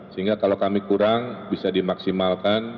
sehingga kalau kami kurang bisa dimaksimalkan